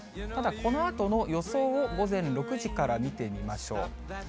ただこのあとの予想を午前６時から見てみましょう。